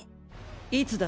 いつだ？